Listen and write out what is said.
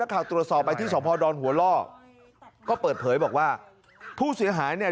ข่าวตรวจสอบไปที่สพดอนหัวล่อก็เปิดเผยบอกว่าผู้เสียหายเนี่ย